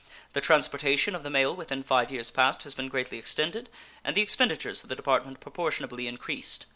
The transportation of the mail within five years past has been greatly extended, and the expenditures of the Department proportionably increased.